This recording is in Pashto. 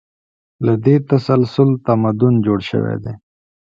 له دې تسلسل تمدن جوړ شوی دی.